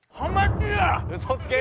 うそつけ！